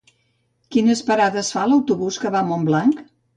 Quines parades fa l'autobús que va a Montblanc?